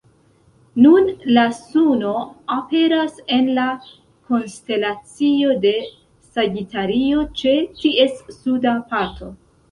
Nun, la suno aperas en la konstelacio de Sagitario, ĉe ties suda parto.